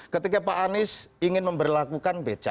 ketika pak anies ingin memperlakukan beca